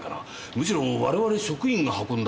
むしろ我々職員が運んだほうが。